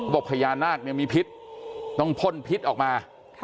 พ่อบพญานาคมีพิษต้องพ่นพิษออกมา